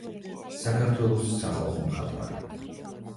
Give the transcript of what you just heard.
საქართველოს სახალხო მხატვარი.